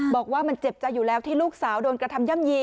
บอกว่ามันเจ็บใจอยู่แล้วที่ลูกสาวโดนกระทำย่ำยี